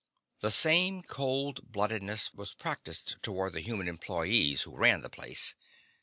The same cold bloodedness was practised toward the human employees who ran the place.